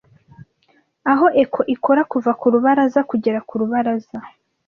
aho echo ikora kuva ku rubaraza kugera ku rubaraza